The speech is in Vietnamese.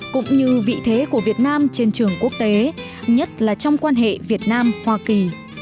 cũng như vị thế của việt nam trên trường quốc tế nhất là trong quan hệ việt nam hoa kỳ